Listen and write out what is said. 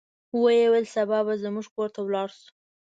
ویې ویل سبا به زموږ کور ته ولاړ شو.